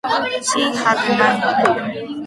She had money.